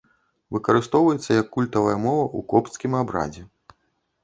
Выкарыстоўваецца як культавая мова ў копцкім абрадзе.